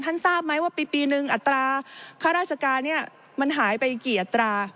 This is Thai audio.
ท่านทราบไม่ว่าปีหนึ่งอัตราค่าราชการมันหายไปกี่อัตรา